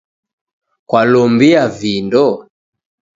Kwalombia vindo?